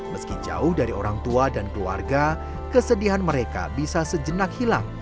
meski jauh dari orang tua dan keluarga kesedihan mereka bisa sejenak hilang